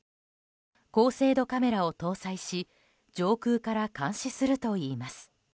高精度カメラを搭載し上空から監視するといいます。